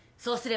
そう